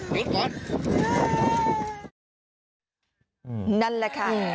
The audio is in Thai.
แม่มาช่วยดีกันแม่มาช่วยดีกัน